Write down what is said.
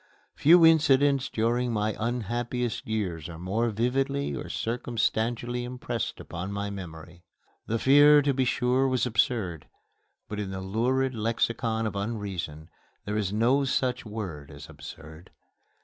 Few incidents during my unhappiest years are more vividly or circumstantially impressed upon my memory. The fear, to be sure, was absurd, but in the lurid lexicon of Unreason there is no such word as "absurd."